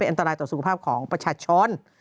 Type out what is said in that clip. อันตรายต่อสุขภาพของประชาชน